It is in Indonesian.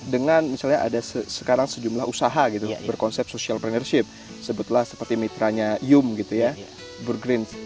dengan misalnya ada sekarang sejumlah usaha gitu berkonsep social plannership sebutlah seperti mitranya yum gitu ya burgreens